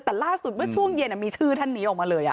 แต่ล่าสุดเมื่อช่วงเย็นมีชื่อท่านนี้ออกมาเลย